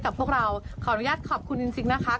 ขออนุญาตขอบคุณจริงนะคะ